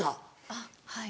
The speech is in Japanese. あっはい。